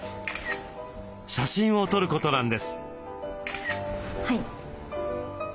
写真を撮ることなんです。